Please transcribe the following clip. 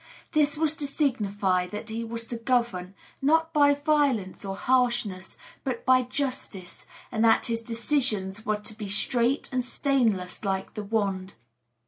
This was to signify that he was to govern, not by violence or harshness, but by justice, and that his decisions were to be straight and stainless like the wand.